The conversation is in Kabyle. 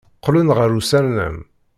Qqlen ɣer unersam.